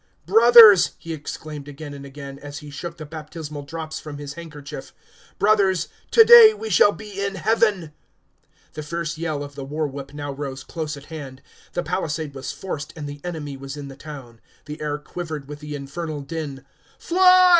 "Brothers," he exclaimed again and again, as he shook the baptismal drops from his handkerchief, "brothers, to day we shall be in Heaven." The fierce yell of the war whoop now rose close at hand. The palisade was forced, and the enemy was in the town. The air quivered with the infernal din. "Fly!"